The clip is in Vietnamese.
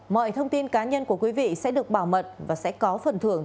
mọi thông tin cá nhân của quý vị sẽ được bảo mật và sẽ có phần thưởng